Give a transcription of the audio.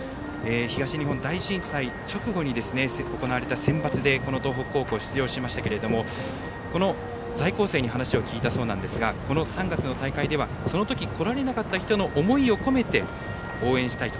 東日本大震災直後に行われたセンバツで東北高校が出場しましたが在校生に話を聞いたそうですがこの３月の大会ではその時来られなかった人の思いをこめて、応援したいと。